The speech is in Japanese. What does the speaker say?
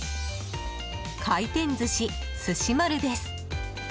回転寿司すし丸です。